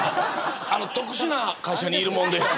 特殊な会社にいるもんで。